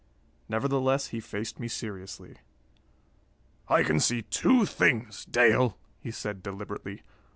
Nevertheless, he faced me seriously. "I can see two things, Dale," he said deliberately.